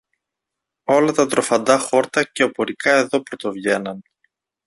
Όλα τα τροφαντά χόρτα και οπωρικά εδώ πρωτοβγαίναν.